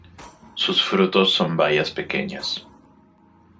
Sus frutos son bayas pequeñas.